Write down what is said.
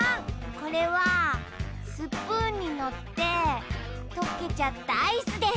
これはスプーンにのってとけちゃったアイスです。